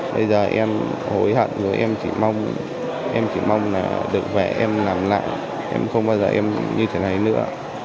bây giờ em hối hận em chỉ mong được vẻ em làm lại em không bao giờ như thế này nữa